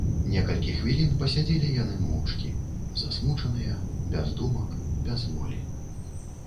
Некалькі хвілін пасядзелі яны моўчкі, засмучаныя, без думак, без волі.